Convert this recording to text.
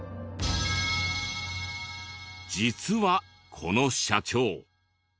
実はこの社長。